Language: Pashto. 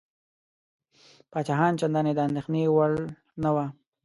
پاچاهان چنداني د اندېښنې وړ نه وه.